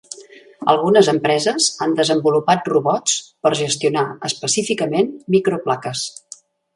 Algunes empreses han desenvolupat robots per gestionar específicament microplaques.